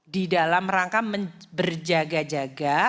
di dalam rangka berjaga jaga